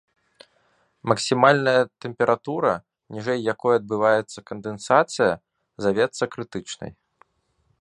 Максімальная тэмпература, ніжэй якой адбываецца кандэнсацыя, завецца крытычнай.